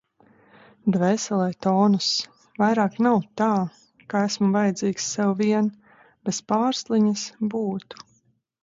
Dvēselē tonuss. Vairāk nav tā, ka esmu vajadzīgs sev vien. Bez Pārsliņas būtu...